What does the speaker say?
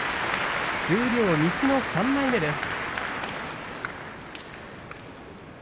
十両、西の３番目です。